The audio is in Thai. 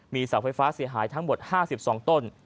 เสาไฟฟ้าเสียหายทั้งหมด๕๒ต้น